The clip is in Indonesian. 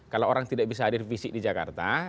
kalau orang tidak bisa hadir fisik di jakarta